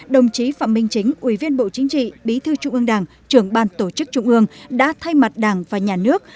đồng chí phạm minh chính ủy viên bộ chính trị bí thư trung ương đảng trưởng ban tổ chức trung ương đã thay mặt đảng và nhà nước